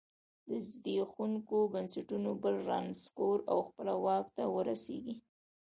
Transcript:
له زبېښونکو بنسټونو بل رانسکور او خپله واک ته ورسېږي.